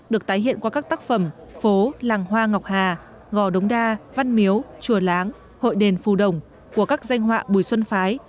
được tái hiện qua các tác phẩm phố làng hoa ngọc hà gò đống đa văn miếu chùa láng hội đền phù đồng của các danh họa bùi xuân phái